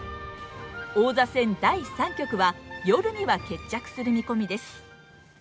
王座戦第３局は夜には決着する見込みです。